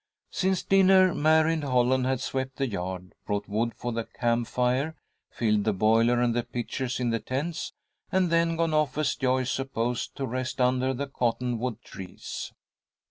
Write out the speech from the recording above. Since dinner Mary and Holland had swept the yard, brought wood for the camp fire, filled the boiler and the pitchers in the tents, and then gone off, as Joyce supposed, to rest under the cottonwood trees.